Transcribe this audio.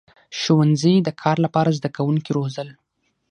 • ښوونځي د کار لپاره زدهکوونکي روزل.